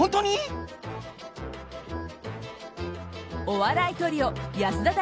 お笑いトリオ安田